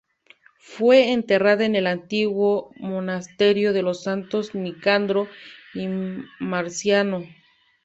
Fue enterrada en el antiguo monasterio de los Santos Nicandro y Marciano.